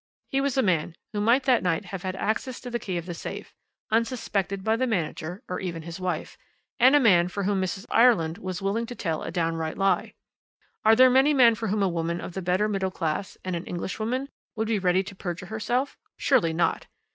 "He was a man who might that night have had access to the key of the safe, unsuspected by the manager or even his wife, and a man for whom Mrs. Ireland was willing to tell a downright lie. Are there many men for whom a woman of the better middle class, and an Englishwoman, would be ready to perjure herself? Surely not!